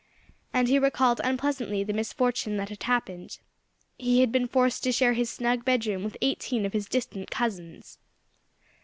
And he recalled unpleasantly the misfortune that had happened: he had been forced to share his snug bedroom with eighteen of his distant cousins.